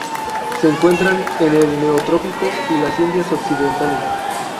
Se encuentran en el neotrópico y las Indias Occidentales.